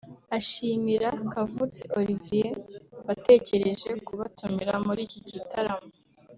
ashimira Kavutse Olivier watekereje kubatumira muri iki gitaramo